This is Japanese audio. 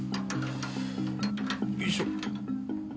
よいしょ。